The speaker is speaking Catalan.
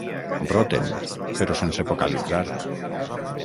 Roten, però sense vocalitzar.